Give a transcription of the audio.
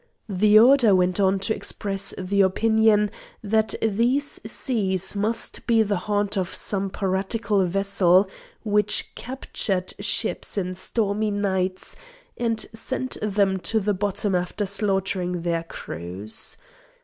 The order went on to express the opinion that these seas must be the haunt of some piratical vessel which captured ships in stormy nights, and sent them to the bottom after slaughtering their crews.